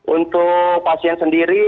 untuk pasien sendiri